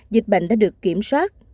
dịch bệnh đã được kiểm soát